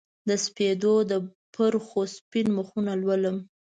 د سپیدو د پرخو سپین مخونه لولم